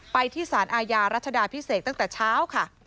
ไปที่สารอาญารัชดาพิเศษตั้งแต่เช้าค่ะ